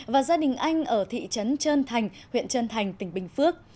và gia đình anh ở thị trấn trơn thành huyện trân thành tỉnh bình phước